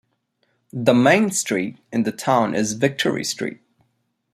The main street in the town is Victory Street.